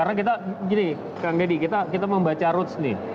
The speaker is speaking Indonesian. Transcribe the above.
karena kita jadi kang deddy kita membaca roots nih